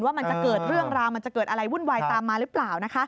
ว่ามันจะเกิดเรื่องราวมันจะเกิดอะไรวุ่นวายตามมาหรือเปล่า